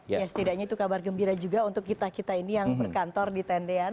ya setidaknya itu kabar gembira juga untuk kita kita ini yang berkantor di tendean